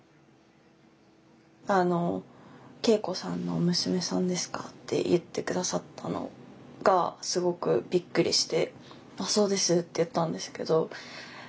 あの圭子さんの娘さんですかって言って下さったのがすごくびっくりしてそうですって言ったんですけど。